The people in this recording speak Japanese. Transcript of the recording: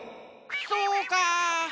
そうか。